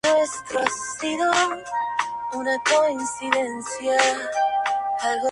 La competición pedía que se presentaran dramas históricos de tema húngaro.